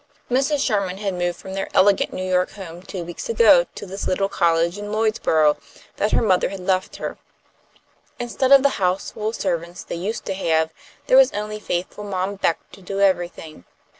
Mrs. Sherman had moved from their elegant New York home two weeks ago to this little cottage in Lloydsborough that her mother had left her. Instead of the houseful of servants they used to have, there was only faithful Mom Beck to do everything.